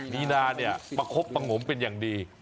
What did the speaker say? มีนาเนี่ยประคบประงมเป็นอย่างดี